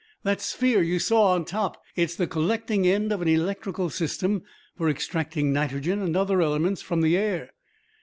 That sphere you saw on top. It is the collecting end of an electrical system for extracting nitrogen and other elements, from the air.